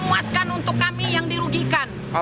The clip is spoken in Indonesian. untuk kami yang dirugikan